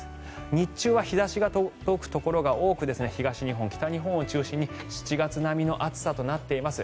日中は日差しが届くところが多く東日本、北日本を中心に７月並みの暑さとなっています。